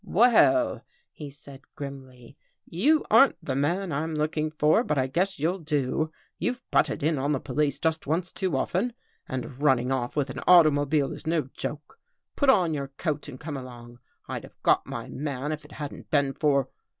" Well," he said grimly, " you aren't the man I'm looking for, but I guess you'll do. You've butted in 266 A QUESTION OF CENTIMETERS on the Police just once too often. And running off with an automobile is no joke. Put on your coat and come along. I'd have got my man if it hadn't been for